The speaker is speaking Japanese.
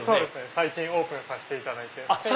最近オープンさせていただいて。